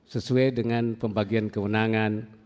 sesuai dengan pembagian kewenangan